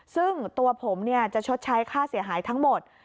ซึ่งตัวผมจะชดใช้ค่าเสียหายทั้งหมด